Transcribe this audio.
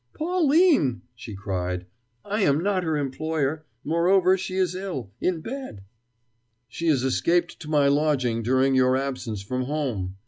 "Pauline!" she cried, "I am not her employer. Moreover, she is ill in bed " "She has escaped to my lodging during your absence from home!